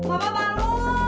bapak bangun pak